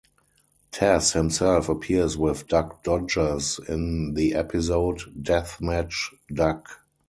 Taz himself appears with Duck Dodgers in the episode "Deathmatch Duck".